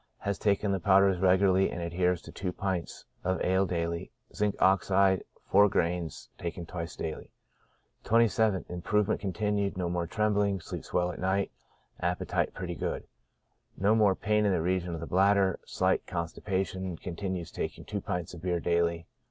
Has taken the powders regular ly, and adheres to two pints of ale daily. Zinc. Ox. gr.iv, bis die. 27th. — Improvement continued, no more trembling, sleeps well at night, appetite pretty good. No more pain in the region of the bladder, slight constipation 5 continues taking two pints of beer daily.